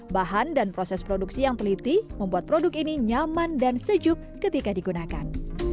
bahan dan proses produksi yang peliti membuat produk ini nyaman dan sejuk ketika digunakan